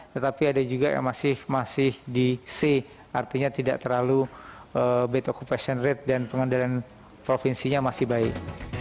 tetapi ada juga yang masih di c artinya tidak terlalu bad occupansion rate dan pengendalian provinsinya masih baik